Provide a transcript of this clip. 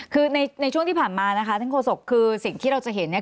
คือในช่วงที่ผ่านมานะคะท่านโฆษกคือสิ่งที่เราจะเห็นเนี่ย